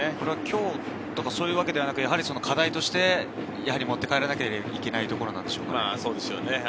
今日というわけではなく課題として持って帰らなきゃいけないところなんでしょうか。